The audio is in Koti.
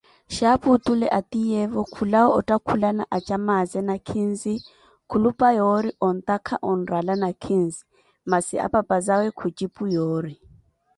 Xaapu otule atiiyevu khulawa ottakhulana acamaaze nakhinzi, khulupa yoori ontakha onrala nakhinzi, masi apapazawe khucipu yoori.